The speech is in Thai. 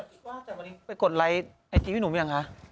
ว่าจะไปกดไลค์ไอจีวิตหนูหรือยังคะ